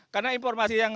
karena informasi yang